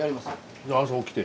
じゃ朝起きて？